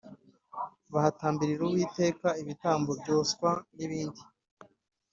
bahatambirira uwiteka ibitambo byoswa n ibindi